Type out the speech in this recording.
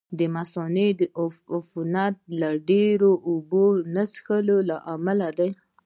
د مثانې عفونت ډېرې اوبه نه څښلو له امله دی.